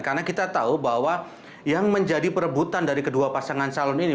karena kita tahu bahwa yang menjadi perebutan dari kedua pasangan salon ini